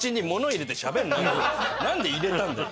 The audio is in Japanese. なんで入れたんだよ